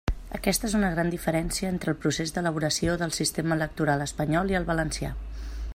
Aquesta és una gran diferència entre el procés d'elaboració del sistema electoral espanyol i el valencià.